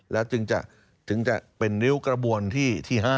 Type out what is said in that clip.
แล้วถึงจะเป็นริ้วกระบวนที่๕